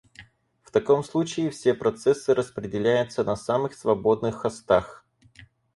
В таком случае все процессы распределяются на самых свободных хостах